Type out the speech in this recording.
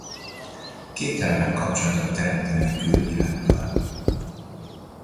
Képtelenek kapcsolatot teremteni a külvilággal.